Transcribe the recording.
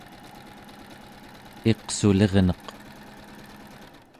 iqsulirneq